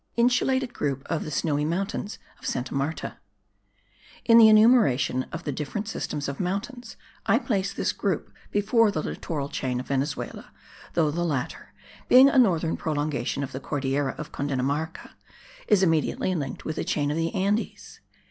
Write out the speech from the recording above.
INSULATED GROUP OF THE SNOWY MOUNTAINS OF SANTA MARTA. In the enumeration of the different systems of mountains, I place this group before the littoral chain of Venezuela, though the latter, being a northern prolongation of the Cordillera of Cundinamarca, is immediately linked with the chain of the Andes.